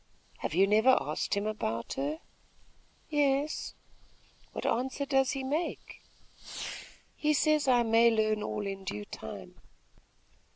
"Have you never asked him about her?" "Yes." "What answer does he make?" "He says I may learn all in due time."